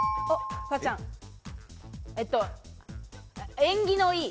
縁起の良い。